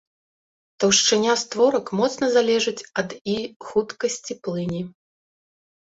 Таўшчыня створак моцна залежыць ад і хуткасці плыні.